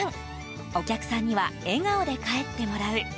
お客さんには笑顔で帰ってもらう。